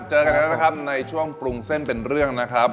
เจอกันแล้วนะครับในช่วงปรุงเส้นเป็นเรื่องนะครับ